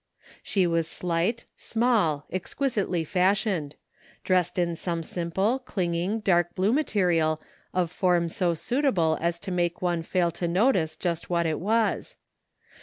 She was slight, ismall, exquisitely fashioned ; dressed in some simple, clinging, dark blue material of form so suitable as to make one fail to notice just what it was.